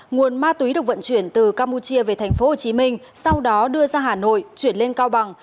nguồn ma túy được vận chuyển từ campuchia về tp hcm sau đó đưa ra hà nội chuyển lên cao bằng